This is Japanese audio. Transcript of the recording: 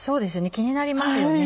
気になりますよね。